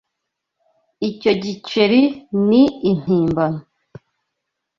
Icyo giceri ni impimbano.